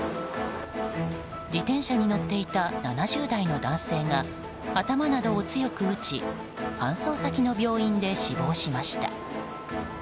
自転車に乗っていた７０代の男性が頭などを強く打ち搬送先の病院で死亡しました。